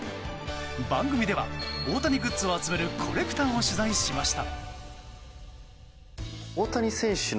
番組では、大谷グッズを集めるコレクターを取材しました。